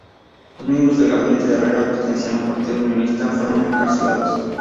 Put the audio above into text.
Los miembros del gabinete de Herrera pertenecían al Partido Unionista fueron encarcelados.